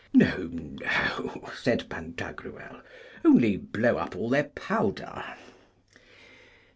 No, no, said Pantagruel, only blow up all their powder.